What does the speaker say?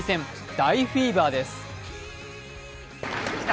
大フィーバーです。